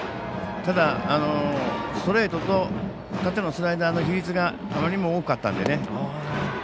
ただ、ストレートと縦のスライダーの比率があまりにも多かったんでね。